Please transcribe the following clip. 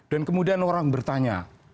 dan kemudian orang bertanya